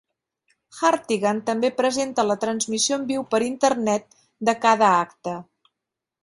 Hartigan també presenta la transmissió en viu per Internet de cada acte.